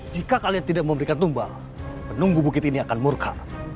jika kalian tidak memberikan tumbang menunggu bukit ini akan murka